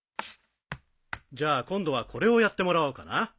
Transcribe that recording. じゃあ今度はこれをやってもらおうかな。